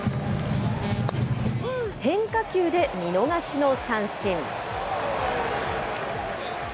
変化球で見逃しの三振。